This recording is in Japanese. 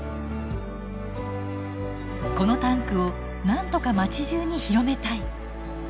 このタンクをなんとか町じゅうに広めたい。